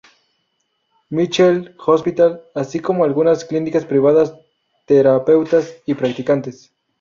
Michael's Hospital" así como algunas clínicas privadas, terapeutas y practicantes.